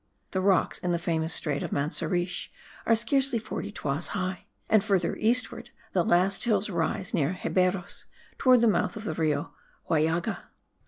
The rocks in the famous strait of Manseriche are scarcely 40 toises high; and further eastward the last hills rise near Xeberos, towards the mouth of the Rio Huallaga.